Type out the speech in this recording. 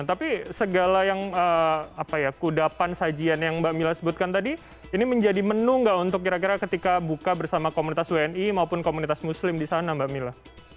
tapi segala yang apa ya kudapan sajian yang mbak mila sebutkan tadi ini menjadi menu nggak untuk kira kira ketika buka bersama komunitas wni maupun komunitas muslim di sana mbak mila